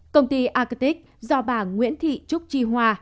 công ty arctic do bà nguyễn thị trúc chi hoa